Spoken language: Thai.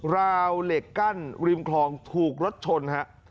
ราวเหล็กกั้นริมคลองถูกรถชนฮะ